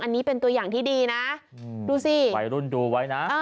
อันนี้เป็นตัวอย่างที่ดีนะดูสิวัยรุ่นดูไว้นะ